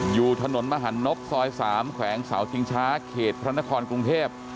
อยู่ถนนมหันนบซอย๓แขวงเสาชิงช้าเขตพระนครกรุงเทพ